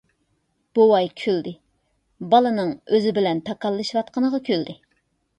بوۋاي كۈلدى، بالىنىڭ ئۆزى بىلەن تاكاللىشىۋاتقىنىغا كۈلدى.